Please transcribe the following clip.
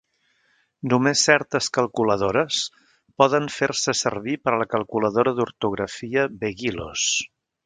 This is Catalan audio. Només certes calculadores poden fer-se servir per a la calculadora d'ortografia "beghilos".